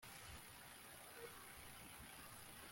k'ikinyarwanda cyanditswe na isaïe bazirushaka